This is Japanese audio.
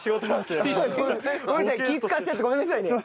気使わせちゃってごめんなさいね。